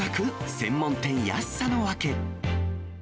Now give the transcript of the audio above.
専門店安さのワケ。